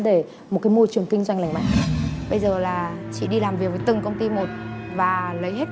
để một cái môi trường kinh doanh lành mạnh bây giờ là chị đi làm việc với từng công ty một và lấy hết